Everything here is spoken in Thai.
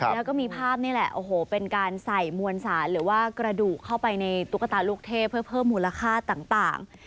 แล้วก็มีภาพนี่แหละโอ้โหเป็นการใส่มวลสารหรือว่ากระดูกเข้าไปในตุ๊กตาลูกเทพเพื่อเพิ่มมูลค่าต่าง